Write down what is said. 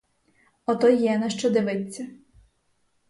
Ото є на що дивиться!